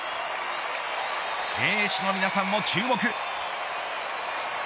兵士の皆さんも注目。